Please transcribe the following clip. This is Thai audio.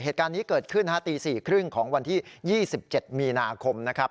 เหตุการณ์นี้เกิดขึ้นตี๔๓๐ของวันที่๒๗มีนาคมนะครับ